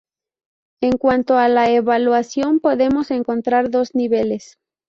En cuanto a la evaluación podemos encontrar dos niveles.